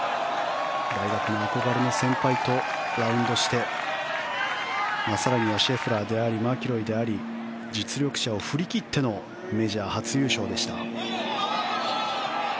大学の憧れの先輩とラウンドして更にはシェフラーでありマキロイであり実力者を振り切ってのメジャー初優勝でした。